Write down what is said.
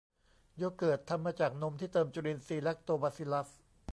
โยเกิร์ต ทำมาจากนมที่เติมจุลินทรีย์แลคโตบาซิลลัส